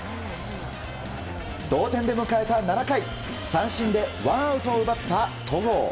同点で迎えた７回三振でワンアウトを奪った戸郷。